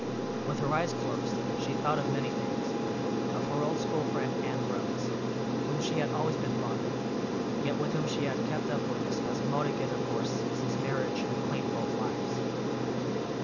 With her eyes closed, she thought of many things; of her old school friend Anne Rhodes, whom she had always been fond of, yet with whom she had kept up but a spasmodic intercourse since marriage had claimed both lives.